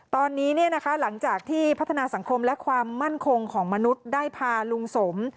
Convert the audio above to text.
ตอนนี้หลังจากที่พัฒนาสังคมและความมั่นคงของมนุษย์ได้พาลุงสม